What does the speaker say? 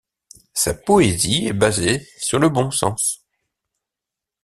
Sa poésie est basée sur le bon sens.